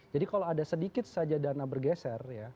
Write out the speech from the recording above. jadi kalau ada sedikit saja dana bergeser